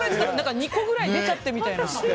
２個ぐらい出ちゃってみたいな。